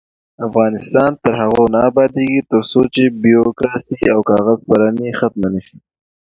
افغانستان تر هغو نه ابادیږي، ترڅو بیروکراسي او کاغذ پراني ختمه نشي.